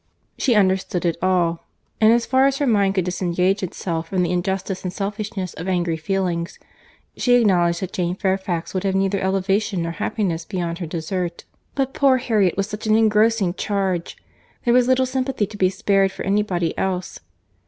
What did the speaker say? She understood it all; and as far as her mind could disengage itself from the injustice and selfishness of angry feelings, she acknowledged that Jane Fairfax would have neither elevation nor happiness beyond her desert. But poor Harriet was such an engrossing charge! There was little sympathy to be spared for any body else.